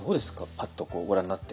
パッとご覧になって。